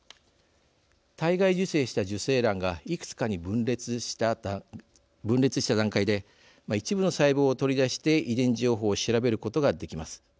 体外受精した受精卵がいくつかに分裂した段階で一部の細胞を取り出して遺伝情報を調べることができます。